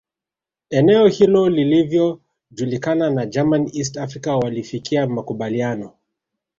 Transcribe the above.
Eneo hilo lilivyojulikana na German East Africa walifikia makubaliano